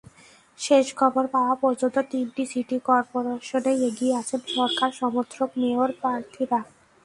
শেষ খবর পাওয়া পর্যন্ত তিনটি সিটি করপোরেশনেই এগিয়ে আছেন সরকার-সমর্থক মেয়র প্রার্থীরা।